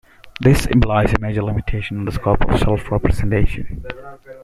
This implies a major limitation on the scope of self-representation.